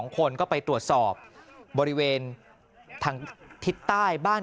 ๒คนก็ไปตรวจสอบบริเวณทางทิศใต้บ้าน